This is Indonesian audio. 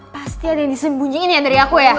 pasti ada yang disembunyiin ya dari aku ya